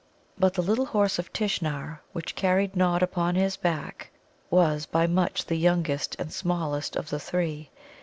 But the Little Horse of Tishnar which carried Nod upon his back was by much the youngest and smallest of the three.